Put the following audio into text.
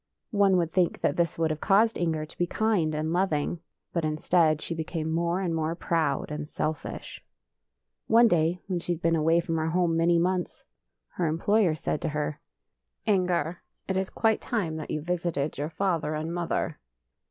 One would think that this would have caused Inger to be kind and loving, but in stead she became more and more proud and selfish. One day, when she had been away from her home many months, her employer said to [ 21 ] FAVORITE FAIRY TALES RETOLD her, " Inger, it is quite time that you visited your father and mother."